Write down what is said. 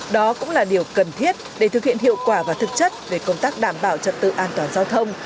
đó cũng là điều cần thiết để thực hiện hiệu quả và thực chất về công tác đảm bảo trật tự an toàn giao thông